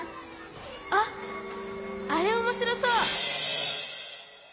あっあれおもしろそう！